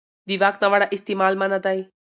د واک ناوړه استعمال منع دی.